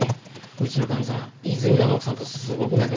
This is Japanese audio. うちのかみさん泉田の奥さんとすごく仲がいいんです。